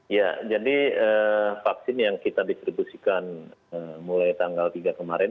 ya jadi vaksin yang kita distribusikan mulai tanggal tiga kemarin